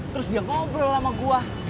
terus dia ngobrol sama gue